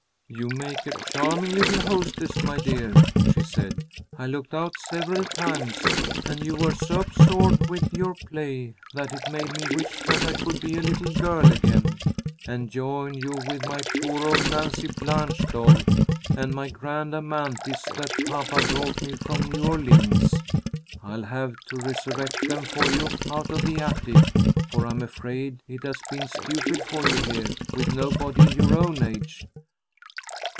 "You make a charming little hostess, my dear," she said. "I looked out several times, and you were so absorbed with your play that it made me wish that I could be a little girl again, and join you with my poor old Nancy Blanche doll and my grand Amanthis that papa brought me from New Orleans. I'll have to resurrect them for you out of the attic, for I'm afraid it has been stupid for you here, with nobody your own age."